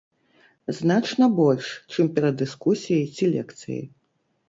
Значна больш, чым перад дыскусіяй ці лекцыяй.